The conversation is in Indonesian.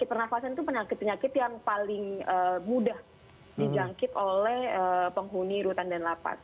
pernafasan itu penyakit penyakit yang paling mudah dijangkit oleh penghuni rutan dan lapas